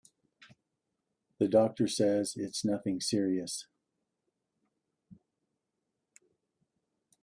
The doctor says it's nothing serious.